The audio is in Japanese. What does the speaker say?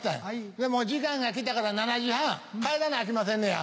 でも時間が来たから７時半帰らなあきませんねや。